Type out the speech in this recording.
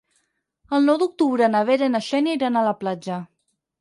El nou d'octubre na Vera i na Xènia iran a la platja.